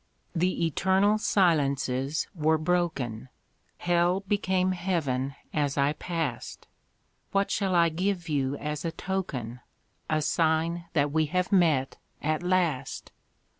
The eternal silences were broken; Hell became Heaven as I passed. What shall I give you as a token, A sign that we have met, at last?